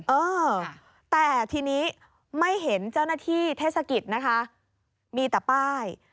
เออแต่ทีนี้ไม่เห็นเจ้าหน้าที่เทศกิจนะคะมีแต่ป้าย